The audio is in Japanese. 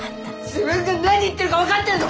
自分が何言ってるか分かってるの！？